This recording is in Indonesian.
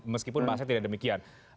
meskipun bahasanya tidak demikian